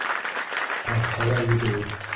Арҡала йөҙөү